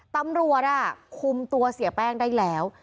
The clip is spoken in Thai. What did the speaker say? ทางโรทน่ะคุมตัวเสียแป้งได้แล้ว